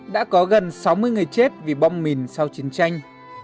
đã có gần sáu mươi người chết vì bom mìn sau chiến tranh